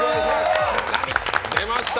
出ました！